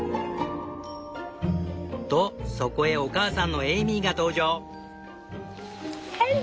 とそこへお母さんのエイミーが登場。